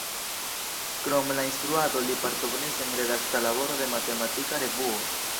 Krom la instruado li partoprenis en redakta laboro de matematika revuo.